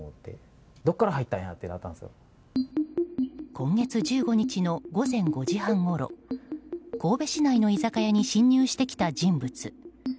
今月１５日の午前５時半ごろ神戸市内の居酒屋に侵入してきた人物。